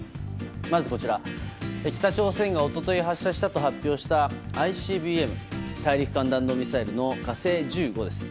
まずこちら、北朝鮮が一昨日発射したと発表したＩＣＢＭ・大陸間弾道ミサイルの「火星１５」です。